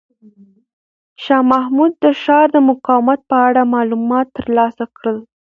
شاه محمود د ښار د مقاومت په اړه معلومات ترلاسه کړل.